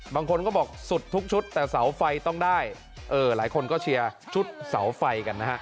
บางคนก็บอกสุดทุกชุดแต่เสาไฟต้องได้หลายคนก็เชียร์ชุดเสาไฟกันนะฮะ